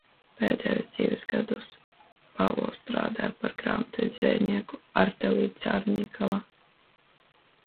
"Pēdējos dzīves gadus Pavlovs strādāja par grāmatvedi zvejnieku artelī "Carnikava"."